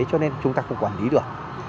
cho nên chúng ta không quản lý được